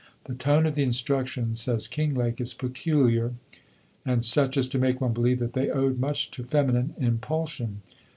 "The tone of the instructions," says Kinglake, "is peculiar, and such as to make one believe that they owed much to feminine impulsion.